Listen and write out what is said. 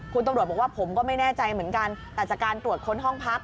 คุณตำรวจบอกว่าผมก็ไม่แน่ใจเหมือนกันแต่จากการตรวจค้นห้องพัก